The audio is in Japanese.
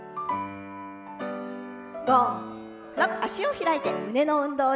脚を開いて胸の運動。